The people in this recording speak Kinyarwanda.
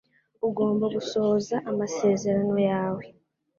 Ugomba gusohoza amasezerano yawe.